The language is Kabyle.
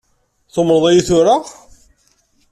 Tumneḍ-iyi tura?